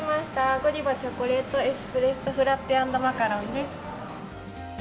ゴディバチョコレートエスプレッソフラッペ＆マカロンです。